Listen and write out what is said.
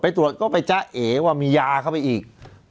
ตรวจก็ไปจ๊ะเอ๋ว่ามียาเข้าไปอีก